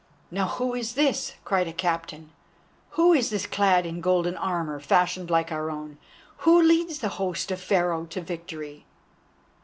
"Now, who is this?" cried a Captain, "who is this clad in golden armour fashioned like our own, who leads the host of Pharaoh to victory?"